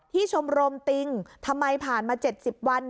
ชมรมติงทำไมผ่านมา๗๐วัน